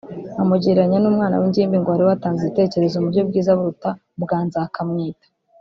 amugereranya n’umwana w’ingimbi ngo wari watanze igitekerezo mu buryo bwiza buruta ubwa Nzakamwita